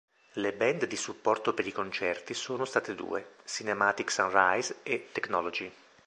Le band di supporto per i concerti sono state due: Cinematic Sunrise e Technology.